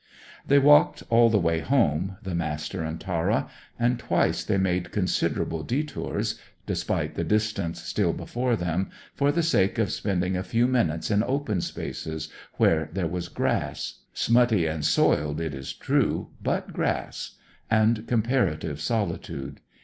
They walked all the way home, the Master and Tara; and twice they made considerable detours (despite the distance still before them), for the sake of spending a few minutes in open spaces, where there was grass smutty and soiled it is true, but grass and comparative solitude.